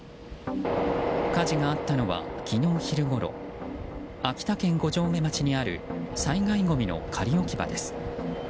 火事があったのは昨日昼ごろ秋田県五城目町にある災害ごみの仮置き場です。